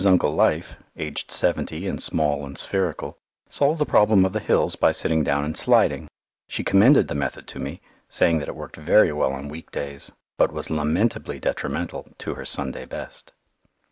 Uncle Life, aged seventy and small and spherical, solved the problem of the hills by sitting down and sliding. She commended the method to me, saying that it served very well on week days, but was lamentably detrimental to her Sunday best.